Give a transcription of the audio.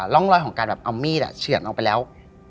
ล่องรอยของการเอามีดเฉียนนอกไปแล้ว